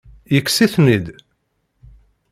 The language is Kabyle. Yekkes-iten-id?